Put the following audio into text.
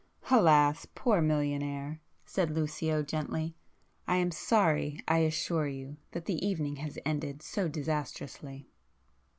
"Alas, poor millionaire!" said Lucio gently,—"I am sorry, I assure you, that the evening has ended so disastrously."